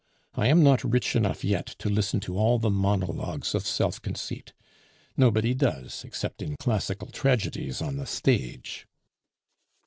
I am not rich enough yet to listen to all the monologues of self conceit. Nobody does, except in classical tragedies on the stage."